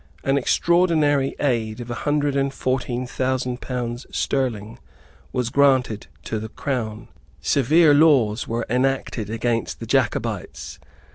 An extraordinary aid of a hundred and fourteen thousand pounds sterling was granted to the Crown. Severe laws were enacted against the Jacobites.